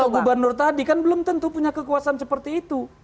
kalau gubernur tadi kan belum tentu punya kekuasaan seperti itu